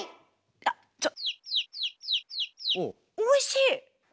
おいしい！